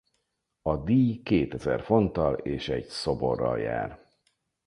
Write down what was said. A díj kétezer fonttal és egy szoborral jár.